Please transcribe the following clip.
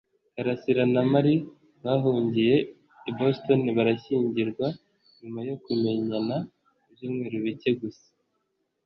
Karasira na Mary bahungiye i Boston barashyingirwa nyuma yo kumenyana ibyumweru bike gusa.